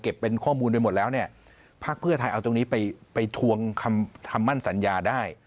เป็นข้อมูลไปหมดแล้วเนี่ยภาคเพื่อไทยเอาตรงนี้ไปไปทวงคำมั่นสัญญาได้